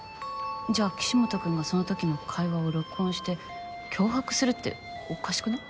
じゃあ岸本君がそのときの会話を録音して脅迫するっておかしくない？